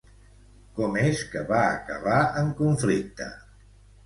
Com és que va acabar en conflicte?